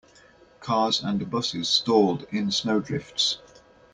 Cars and busses stalled in snow drifts.